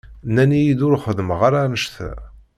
Nnan-iyi-d ur xeddmeɣ ara annect-a.